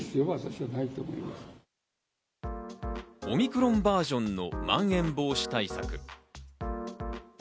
オミクロンバージョンのまん延防止対策。